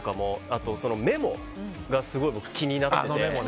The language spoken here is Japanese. メモがすごい僕、気になっていて。